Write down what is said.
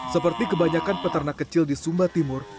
seperti kebanyakan peternak kecil di sumba timur